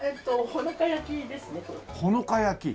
ほの香焼き。